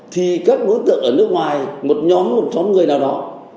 thì các đối tượng ở nước ngoài một nhóm một nhóm người nào đó